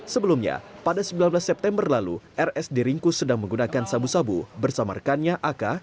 sebelumnya pada sembilan belas september lalu rs diringkus sedang menggunakan sabu sabu bersama rekannya ak